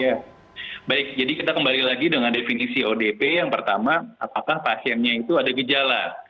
ya baik jadi kita kembali lagi dengan definisi odp yang pertama apakah pasiennya itu ada gejala